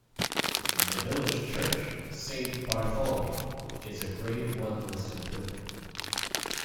The village church, Saint Bartholomew, is a grade one listed building.